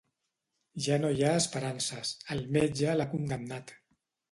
Ja no hi ha esperances: el metge l'ha condemnat.